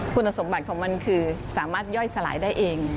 คุณสมบัติของมันคือสามารถย่อยสลายได้เอง